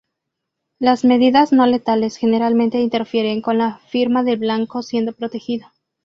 Las medidas no letales generalmente interfieren con la firma del blanco siendo protegido.